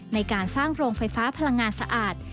ในการสร้างโรงไฟฟ้าพลังงานสะอาด